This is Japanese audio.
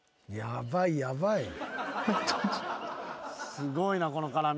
すごいなこの絡み。